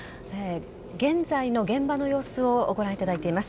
現在の現場の様子をご覧いただいています。